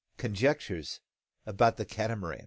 CONJECTURES ABOUT THE CATAMARAN.